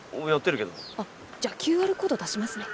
じゃあＱＲコード出しますね。